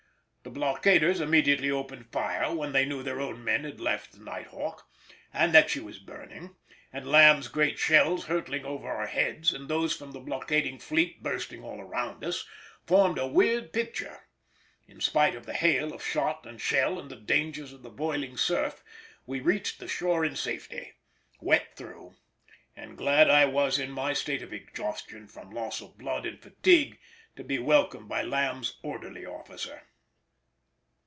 The blockaders immediately opened fire when they knew their own men had left the Night Hawk, and that she was burning; and Lamb's great shells hurtling over our heads, and those from the blockading fleet bursting all around us, formed a weird picture. In spite of the hail of shot and shell and the dangers of the boiling surf, we reached the shore in safety, wet through, and glad I was in my state of exhaustion from loss of blood and fatigue to be welcomed by Lamb's orderly officer.